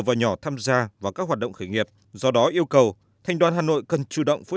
và nhỏ tham gia vào các hoạt động khởi nghiệp do đó yêu cầu thành đoàn hà nội cần chủ động phối